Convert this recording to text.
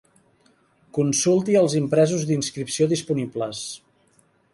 Consulti els impresos d'inscripció disponibles.